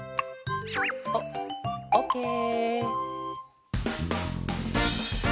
オオッケー。